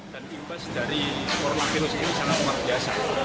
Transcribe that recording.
dan imbas dari coronavirus ini sangat luar biasa